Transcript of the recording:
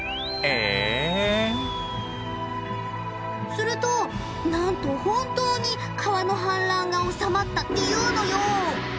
ええ⁉するとなんと本当に川の氾濫がおさまったっていうのよ！